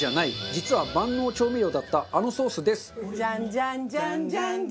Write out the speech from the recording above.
実は万能調味料だったあのソースです。